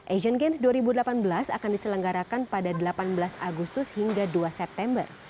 asian games dua ribu delapan belas akan diselenggarakan pada delapan belas agustus hingga dua september